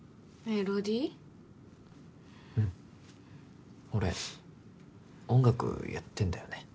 うん俺音楽やってんだよね